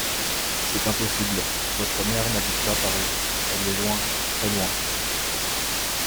C'est impossible, votre mère n'habite pas Paris ; elle est loin, très loin.